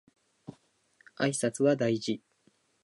挨拶は大事